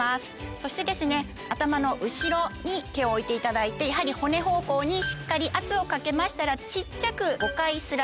そして頭の後ろに手を置いていただいてやはり骨方向にしっかり圧をかけましたら小っちゃく５回スライドです。